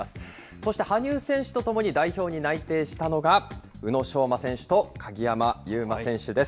そして羽生選手とともに代表に内定したのが、宇野昌磨選手と鍵山優真選手です。